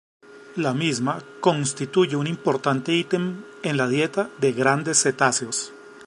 La misma constituye un importante ítem en la dieta de grandes cetáceos.